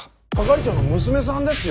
係長の娘さんですよ。